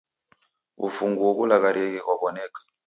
W'ufunguo gholagharieghe ghwaw'oneka